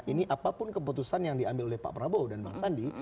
ini apapun keputusan yang diambil oleh pak prabowo dan bang sandi